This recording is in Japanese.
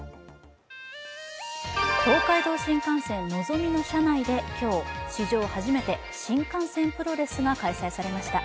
東海道新幹線のぞみの車内で今日史上初めて新幹線プロセスが開催されました。